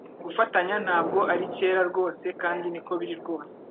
gufatanya ntabwo ari Kera rwose kandi niko biri rwose